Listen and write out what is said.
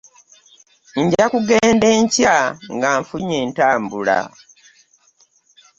Nja kugenda enkya nga nfunye entambula.